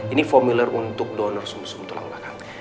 ini formulir untuk donor sum sum tulang belakang